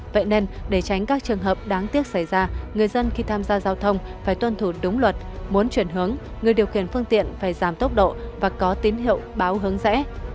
vậy nên để tránh các trường hợp đáng tiếc xảy ra người dân khi tham gia giao thông phải tuân thủ đúng luật muốn chuyển hướng người điều khiển phương tiện phải giảm tốc độ và có tín hiệu báo hướng rẽ